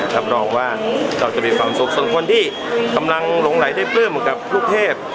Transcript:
รับรองว่าเราจะมีความสุขส่วนคนที่กำลังหลงไหลได้ปลื้มเหมือนกับลูกเทพ